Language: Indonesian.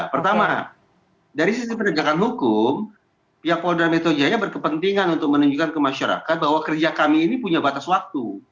pertama dari sisi penegakan hukum pihak polda metro jaya berkepentingan untuk menunjukkan ke masyarakat bahwa kerja kami ini punya batas waktu